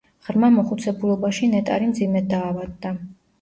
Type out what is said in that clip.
ღრმა მოხუცებულობაში ნეტარი მძიმედ დაავადდა.